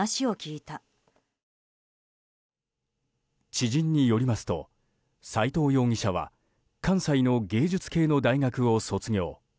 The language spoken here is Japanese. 知人によりますと斎藤容疑者は関西の芸術系の大学を卒業。